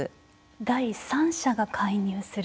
第三者が介入する。